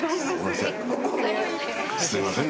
すいません。